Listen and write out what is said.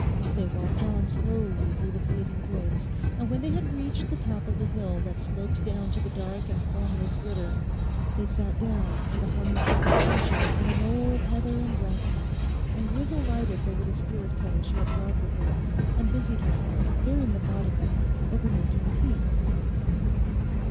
They walked on slowly through the fading woods, and when they had reached the top of the hill that sloped down to the dark and foamless Widder they sat down in the honey scented sunshine on a knoll of heather and bracken, and Grisel lighted the little spirit kettle she had brought with her, and busied herself very methodically over making tea.